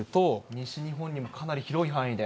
西日本にもかなり広い範囲で。